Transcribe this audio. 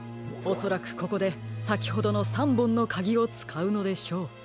おそらくここでさきほどの３ぼんのかぎをつかうのでしょう。